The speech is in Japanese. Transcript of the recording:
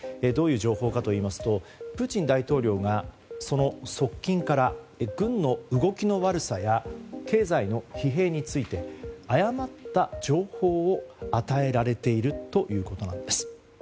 どういう情報かといいますとプーチン大統領がその側近から軍の動きの悪さや経済の疲弊について誤った情報を与えられているということなんです。